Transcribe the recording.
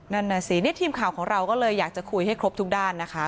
นั่นน่ะสินี่ทีมข่าวของเราก็เลยอยากจะคุยให้ครบทุกด้านนะคะ